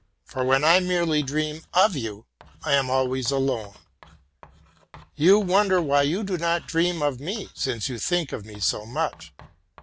For when I merely dream of you, I am always alone. You wonder why you do not dream of me, since you think of me so much.